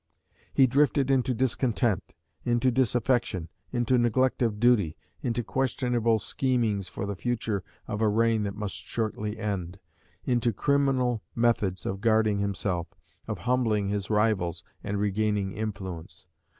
He drifted into discontent, into disaffection, into neglect of duty, into questionable schemings for the future of a reign that must shortly end, into criminal methods of guarding himself, of humbling his rivals and regaining influence.